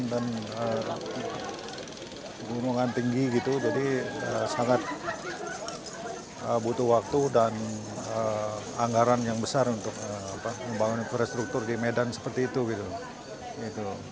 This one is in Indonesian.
dan gunungan tinggi sangat butuh waktu dan anggaran yang besar untuk membangun infrastruktur di medan seperti itu